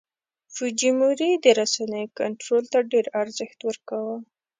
فوجیموري د رسنیو کنټرول ته ډېر ارزښت ورکاوه.